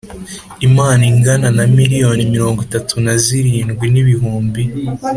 Impano ingana na miliyoni mirongo itatu na zirindwi n ibihumbi